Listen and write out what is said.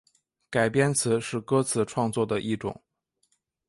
改编词是歌词创作的一种。